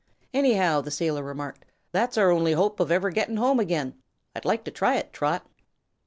"Anyhow," the sailor remarked, "that's our only hope of ever gett'n' home again. I'd like to try it, Trot."